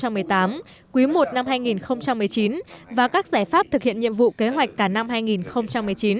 năm hai nghìn một mươi tám quý một năm hai nghìn một mươi chín và các giải pháp thực hiện nhiệm vụ kế hoạch cả năm hai nghìn một mươi chín